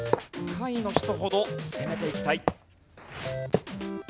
下位の人ほど攻めていきたい。